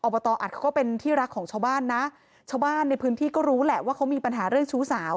อัดเขาก็เป็นที่รักของชาวบ้านนะชาวบ้านในพื้นที่ก็รู้แหละว่าเขามีปัญหาเรื่องชู้สาว